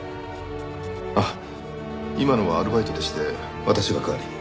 あっ今のはアルバイトでして私が代わりに。